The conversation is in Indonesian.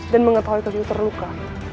dan mengetahui kebiu terluka